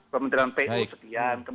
kementerian pu sekian